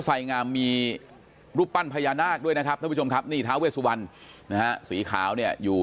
ไส้งามมีรูปปั้นพญานาคด้วยนะครับท่าเวสวรรค์สีขาวเนี่ยอยู่